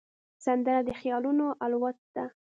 سندره د خیالونو الوت ده